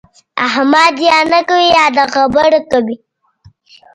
احمد یا نه کوي يا د خبره کوي.